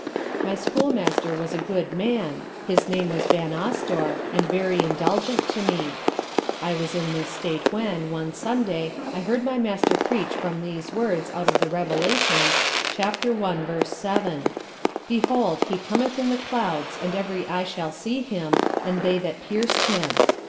My schoolmaster was a good man, his name was Vanosdore, and very indulgent to me. I was in this state when, one Sunday, I heard my master preach from these words out of the Revelations, chap. i. v. 7. _"Behold, He cometh in the clouds and every eye shall see him and they that pierc'd Him."